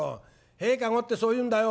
『へい駕籠』ってそう言うんだよ」。